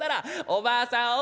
おばあさん。